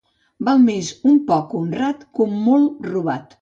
Val més un poc honrat que un molt robat.